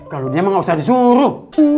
kalau dia emang gak usah disuruh